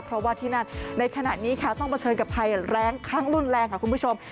เพราะว่าที่นั่นในขณะนี้ค่ะต้องเผชิญกับภัยแรงครั้งรุนแรงค่ะคุณผู้ชม